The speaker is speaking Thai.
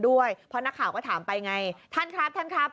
ด้วยเพราะนักข่าวก็ถามไปไงท่านครับท่านครับ